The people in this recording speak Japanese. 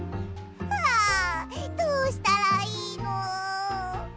あどうしたらいいの！？